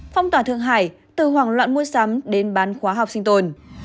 phong tỏa thương hải từ hoảng loạn mua sắm đến bán khóa học sinh tồn